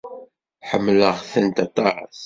Ḥemmleɣ-tent aṭas.